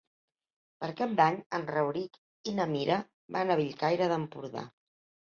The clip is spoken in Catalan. Per Cap d'Any en Rauric i na Mira van a Bellcaire d'Empordà.